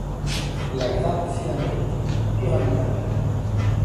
La grappe est cylindrique ou pyramidale.